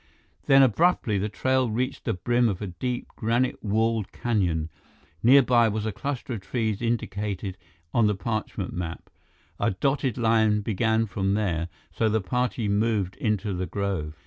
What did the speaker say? Then, abruptly, the trail reached the brim of a deep, granite walled canyon. Nearby was a cluster of trees indicated on the parchment map. A dotted line began from there, so the party moved into the grove.